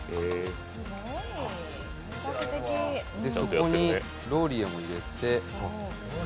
そこにローリエも入れて。